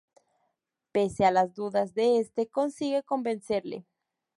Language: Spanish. Pese a las dudas de este, consigue convencerle.